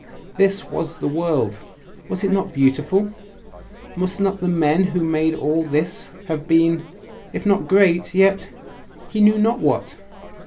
This was the world.... Was it not beautiful?.... Must not the men who made all this have been if not great.... yet.... he knew not what?